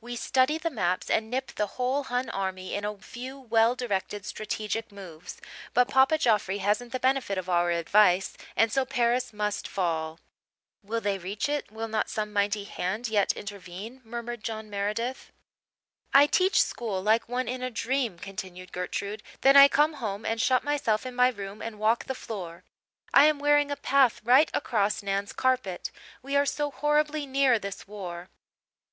"We study the maps and nip the whole Hun army in a few well directed strategic moves. But Papa Joffre hasn't the benefit of our advice and so Paris must fall." "Will they reach it will not some mighty hand yet intervene?" murmured John Meredith. "I teach school like one in a dream," continued Gertrude; "then I come home and shut myself in my room and walk the floor. I am wearing a path right across Nan's carpet. We are so horribly near this war."